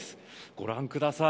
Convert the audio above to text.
ご覧ください。